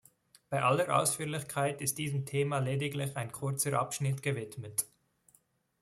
Bei aller Ausführlichkeit ist diesem Thema lediglich ein kurzer Abschnitt gewidmet.